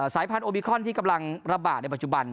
สายพันธุมิครอนที่กำลังระบาดในปัจจุบัน